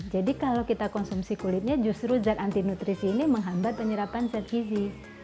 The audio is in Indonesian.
jadi kalau kita konsumsi kulitnya justru zat anti nutrisi ini menghambat penyerapan zat gizi